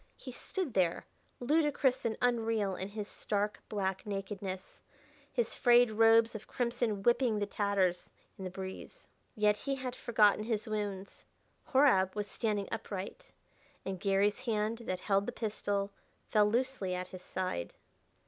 He stood there, ludicrous and unreal in his stark black nakedness, his frayed robes of crimson whipping to tatters in the breeze. Yet he had forgotten his wounds Horab was standing upright and Garry's hand that held the pistol fell loosely at his side.